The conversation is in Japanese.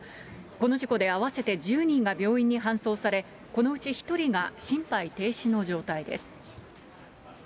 この事故で合わせて１０人が病院に搬送され、このうち１人が心肺停止の状態です。